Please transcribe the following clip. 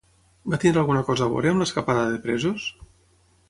Va tenir alguna cosa a veure amb l'escapada de presos?